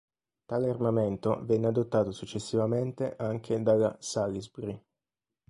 Tale armamento venne adottato successivamente anche dalla "Salisbury".